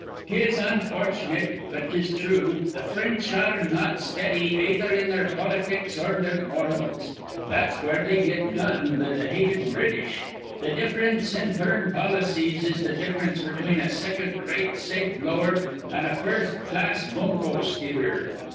"'Tis unforch'nit, but 'tis thrue. Th' Fr rinch ar re not steady ayether in their politics or their morals. That's where they get done be th' hated British. Th' diff'rence in furrin' policies is the diff'rence between a second rate safe blower an' a first class boonco steerer.